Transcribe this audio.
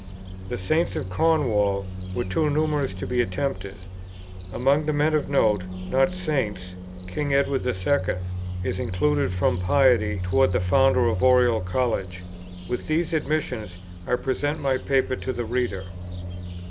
The Saints of Cornwall were too numerous to be attempted. Among the men of note, not Saints, King Edward II. is included from piety towards the founder of Oriel College. With these admissions I present my Paper to the reader.